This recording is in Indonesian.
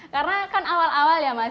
karena kan awal awal ya mas